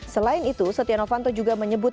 selain itu setia novanto juga menyebut